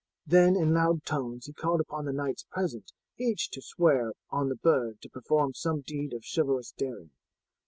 Then in loud tones he called upon the knights present each to swear on the bird to perform some deed of chivalrous daring.